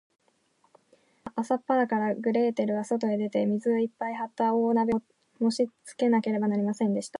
あくる日は、朝っぱらから、グレーテルはそとへ出て、水をいっぱいはった大鍋をつるして、火をもしつけなければなりませんでした。